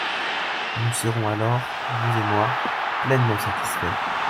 Nous serons alors, vous et moi, pleinement satisfaits.